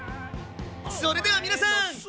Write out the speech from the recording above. それでは皆さん。